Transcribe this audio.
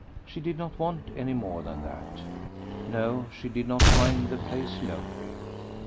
She did not want any more than that. No, she did not find the place lonely.